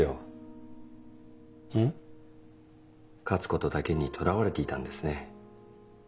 勝つことだけにとらわれていたんですね。